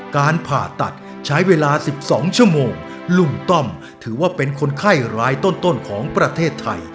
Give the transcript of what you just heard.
การผ่าตัดใช้เวลา๑๒ชั่วโมงลุงต้อมถือว่าเป็นคนไข้ร้ายต้นของประเทศไทย